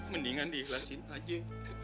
mendingan diikhlasin aja